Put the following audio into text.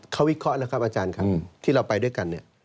เขาวิเคราะห์แล้วครับอาจารย์ครับที่เราไปด้วยกันเนี่ย